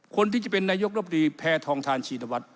คนที่จะเป็นนายกรบดีแพทองทานชินวัฒน